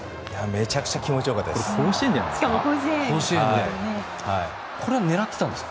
めちゃくちゃ気持ちよかったです。